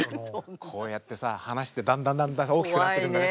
こうやってさ話ってだんだんだんだん大きくなってくんだね。